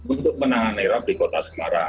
untuk menahan rop di kota semarang